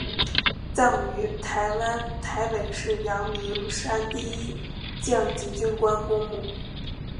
葬于台湾台北市阳明山第一将级军官公墓